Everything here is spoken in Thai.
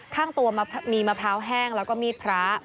ข้างตัวมีมะพร้าวแห้งแล้วก็มีดพระ